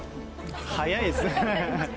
早いですね。